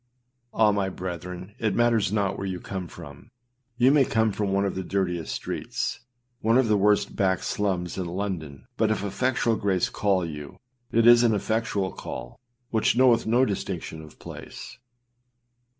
Ah! my brethren, it matters not where you come from; you may come from one of the dirtiest streets, one of the worst back slums in London but if effectual grace call you, it is an effectual call, which knoweth no distinction of place.